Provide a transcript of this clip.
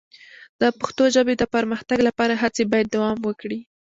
د پښتو ژبې د پرمختګ لپاره هڅې باید دوام وکړي.